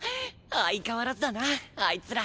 相変わらずだなあいつら。